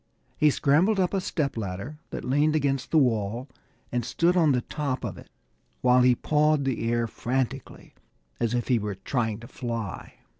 He scrambled up a stepladder that leaned against the wall and stood on the top of it while he pawed the air frantically, as if he were trying to fly.